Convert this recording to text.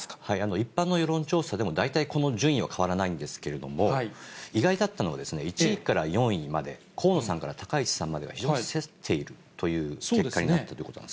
一般の世論調査でも、大体この順位は変わらないんですけれども、意外だったのが、１位から４位まで、河野さんから高市さんまでが非常にせっているという結果になっていることなんです。